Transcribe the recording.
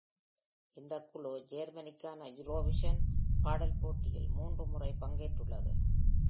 இந்த குழு ஜெர்மனிக்கான யூரோவிஷன் பாடல் போட்டியில் மூன்று முறை பங்கேற்றுள்ளது.